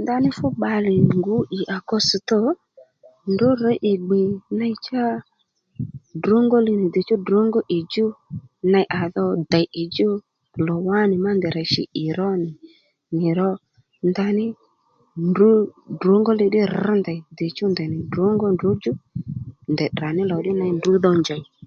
Ndaní fú bbalè ngǔ ì à kostò ndrǔ rř ì gbè ney cha ddrǒngoli nì ddiychú ddrǒngó ì djú ney adho dèy ì djú lò wánì má ndèy rà shì ì ró nì ì ró ndaní ndrǔ ddrǒngóli ddí rrǐ ndèy ndèy ddìchú ndèy nì ddrǒngó ndrǔdjú ndèy tdrà ní lò ddí ney ndrǔ dho njèy